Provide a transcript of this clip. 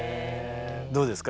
どうですか？